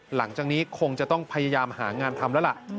หลังจากนี้คงจะต้องพยายามหางานทำแล้วล่ะ